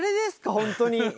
本当に。